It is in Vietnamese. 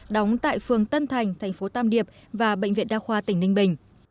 đóng tại phường tân thành thành phố tam điệp và bệnh viện đa khoa tỉnh ninh bình